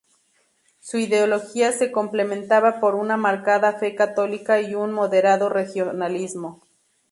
Su ideología se completaba por una marcada fe católica y un moderado regionalismo.